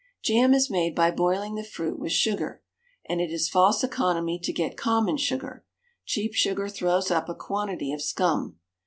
Jam is made by boiling the fruit with sugar, and it is false economy to get common sugar; cheap sugar throws up a quantity of scum.